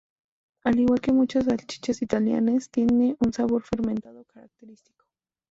Al igual que muchas salchichas italianas, tiene un sabor fermentado característico.